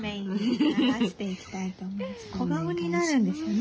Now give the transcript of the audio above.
小顔になるんですよね